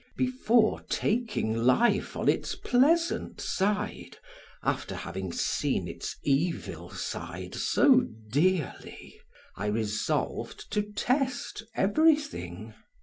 Before taking life on its pleasant side after having seen its evil side so dearly, I resolved to test everything.